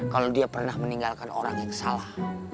kalau dia pernah meninggalkan orang yang salah